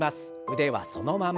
腕はそのまま。